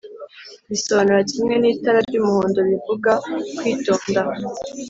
bisobanura kimwe n’itara ry’umuhondo bivuga kwitonda